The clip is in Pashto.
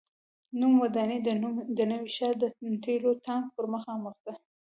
نوې ودانۍ د نوي ښار د تیلو ټانک پر مخامخ ده.